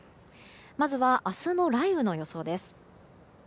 まずは明日の雷雨の予想です。